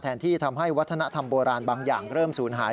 ที่ทำให้วัฒนธรรมโบราณบางอย่างเริ่มศูนย์หาย